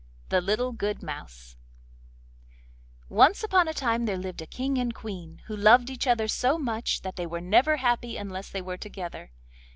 THE LITTLE GOOD MOUSE Once upon a time there lived a King and Queen who loved each other so much that they were never happy unless they were together.